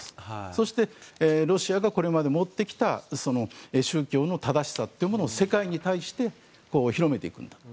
そして、ロシアがこれまで持ってきた宗教の正しさというものを世界に対して広めていくんだと。